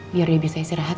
biar dia bisa istirahat